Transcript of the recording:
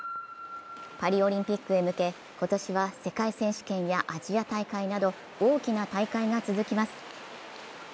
パリオリンピックへ向け、今年は世界選手権やアジア大会など大きな大会が続きます。